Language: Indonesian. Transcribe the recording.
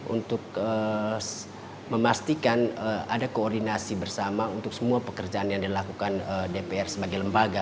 untuk memastikan ada koordinasi bersama untuk semua pekerjaan yang dilakukan dpr sebagai lembaga